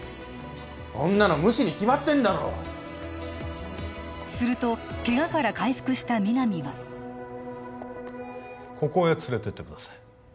こんなの無視に決まってんだろするとケガから回復した皆実はここへ連れてってください